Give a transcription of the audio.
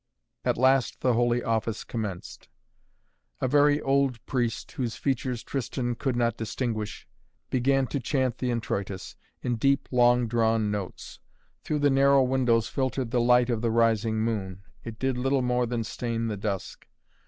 At last the holy office commenced. A very old priest, whose features Tristan could not distinguish, began to chant the Introitus, in deep long drawn notes. Through the narrow windows filtered the light of the rising moon. It did little more than stain the dusk.